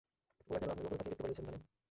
ওরা কেন আপনাকে উপরে তাকিয়ে দেখতে বলছেন জানেন?